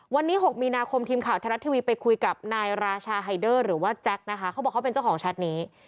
วันนี้๖มีนาคมทีมข่าวไทยรัฐทีวีไปคุยกับนายราชาไฮเดอร์หรือว่าแจ็คนะคะเขาบอกเขาเป็นเจ้าของแชทนี้